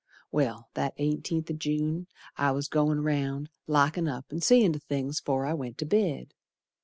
Well, that eighteenth o' June I was goin' round, Lockin' up and seein' to things 'fore I went to bed.